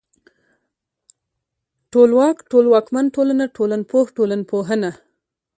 ټولواک ، ټولواکمن، ټولنه، ټولنپوه، ټولنپوهنه